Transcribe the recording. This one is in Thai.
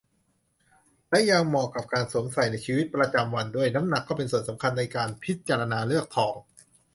และยังเหมาะกับการสวมใส่ในชีวิตประจำวันด้วย น้ำหนักก็เป็นส่วนสำคัญในการพิจารณาเลือกทอง